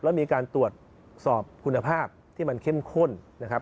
แล้วมีการตรวจสอบคุณภาพที่มันเข้มข้นนะครับ